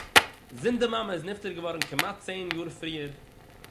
זינט די מאמע איז נפטר געווארן כמעט צען יאר פריער